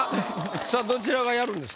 さあどちらがやるんですか？